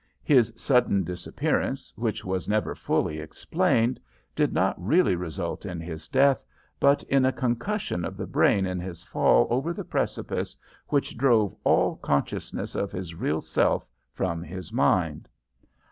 His sudden disappearance, which was never fully explained, did not really result in his death, but in a concussion of the brain in his fall over the precipice which drove all consciousness of his real self from his mind.